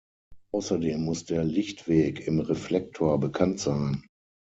Außerdem muss der Lichtweg im Reflektor bekannt sein.